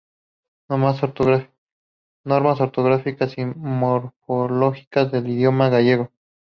Normas Ortográficas y Morfológicas del Idioma Gallego.